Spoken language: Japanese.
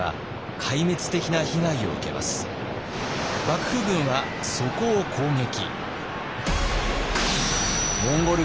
幕府軍はそこを攻撃。